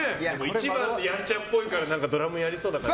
１番やんちゃっぽいからドラムやりそうな感じ。